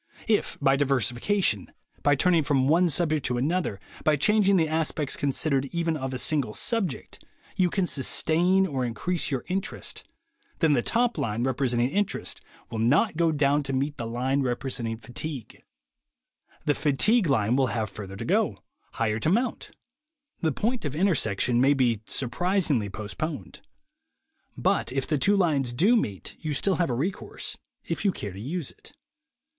If, by diversification, by turning from one subject to another, by changing the aspects considered even of a single subject, you can sustain or increase your interest, then the top line representing interest will not go down to meet the line representing fatigue; the fatigue line will have further to go, higher to mount; the point of intersection may be surpris ingly postponed. But if the two lines do meet, you have still a recourse, if you care to use it.